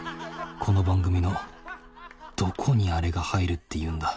この番組のどこにあれが入るっていうんだ。